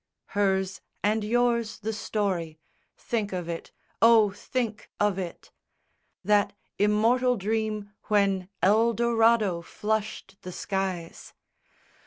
II Hers and yours the story: Think of it, oh, think of it That immortal dream when El Dorado flushed the skies!